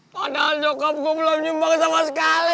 padahal nyokap gue belum nyumbang sama sekali